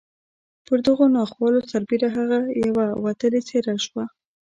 پر دغو ناخوالو سربېره هغه یوه وتلې څېره شوه